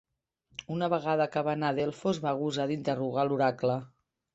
Una vegada que va anar a Delfos va gosar d'interrogar l'oracle